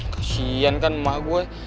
kasian kan emah gue